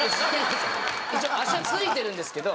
一応足はついてるんですけど。